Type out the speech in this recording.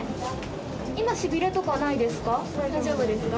今、しびれとかないですか？